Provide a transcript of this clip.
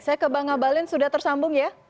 saya ke bang abalin sudah tersambung ya